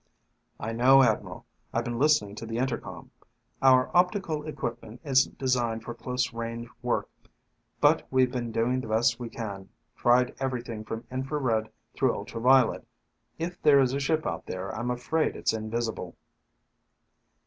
"I know, Admiral. I've been listening to the intercom. Our optical equipment isn't designed for close range work, but we've been doing the best we can, tried everything from infra red through ultra violet. If there is a ship out there I'm afraid it's invisible."